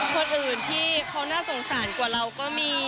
คนอื่นที่เขาน่าสงสารกว่าเราก็มี